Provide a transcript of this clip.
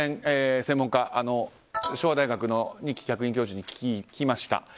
専門家、昭和大学の二木客員教授に聞きました。